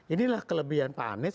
inilah kelebihan pak anies